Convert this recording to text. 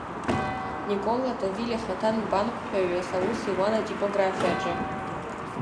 Никола Тавиль ихаҭа нбанҟәшәаҩыс аус иуан атипографиаҿы.